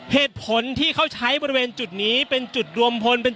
อย่างที่บอกไปว่าเรายังยึดในเรื่องของข้อ